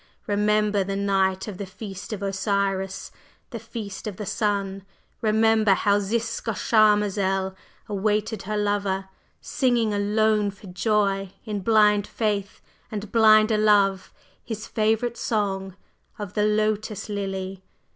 Remember the night of the Feast of Osiris the Feast of the Sun! Remember how Ziska Charmazel awaited her lover, singing alone for joy, in blind faith and blinder love, his favorite song of the Lotus Lily!